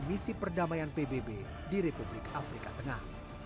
misi perdamaian pbb di republik afrika tengah